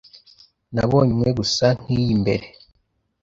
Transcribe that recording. Nabonye imwe gusa nkiyi mbere.